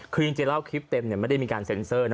คือจริงแล้วคลิปเต็มไม่ได้มีการเซ็นเซอร์นะ